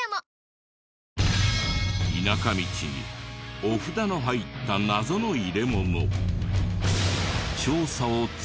田舎道にお札の入った謎の入れ物。